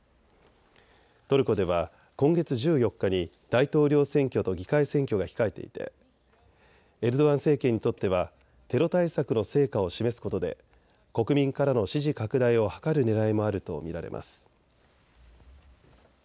トルコでは今月１４日に大統領選挙と議会選挙が控えていてエルドアン政権にとってはテロ対策の成果を示すことで国民からの支持拡大を図るねらいもあると見られます。